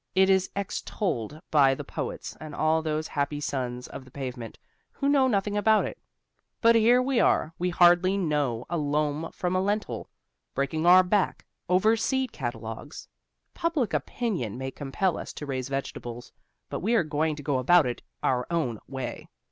It is extolled by the poets and all those happy sons of the pavement who know nothing about it. But here are we, who hardly know a loam from a lentil, breaking our back over seed catalogues. Public opinion may compel us to raise vegetables, but we are going to go about it our own way.